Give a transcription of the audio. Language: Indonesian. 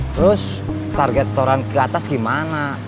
terus target setoran keatas gimana